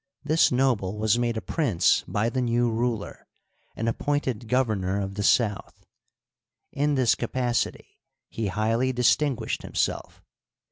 This noble was made a prince by the new ruler, and appointed Governor of the South. In this capacity he highly distin guished himself.